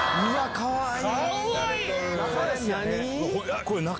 かわいい。